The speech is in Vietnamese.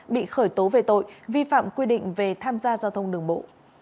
bị khởi tố về tội vi phạm quy định về tham gia giao thông đường bộ